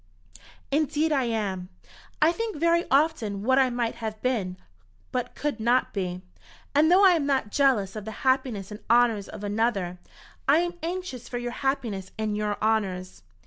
"Indeed I am. I think very often what I might have been, but could not be; and though I am not jealous of the happiness and honours of another, I am anxious for your happiness and your honours."